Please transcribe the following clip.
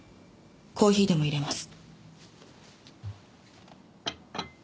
コーヒーでもいれます。